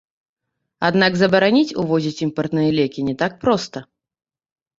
Аднак забараніць увозіць імпартныя лекі не так проста.